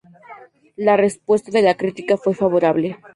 La respuesta de la crítica fue favorable.